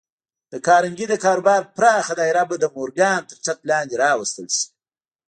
د کارنګي د کاروبار پراخه دايره به د مورګان تر چت لاندې راوستل شي.